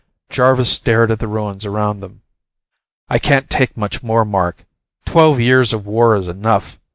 Jarvis stared at the ruins around them. "I can't take much more, Mark. Twelve years of war is enough.